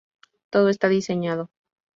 Todo está diseñado.